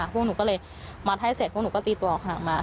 พวกหนูก็เลยมัดให้เสร็จพวกหนูก็ตีตัวออกห่างมา